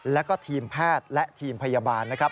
แล้วก็ทีมแพทย์และทีมพยาบาลนะครับ